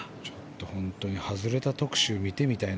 本当に外れた特集を見てみたいな。